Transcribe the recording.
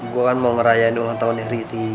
gue kan mau ngerayain ulang tahun heri